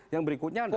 yang berikutnya adalah